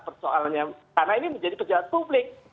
persoalannya karena ini menjadi pejabat publik